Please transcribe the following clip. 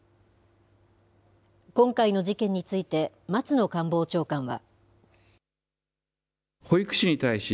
今回の事件について、松野官房長官は。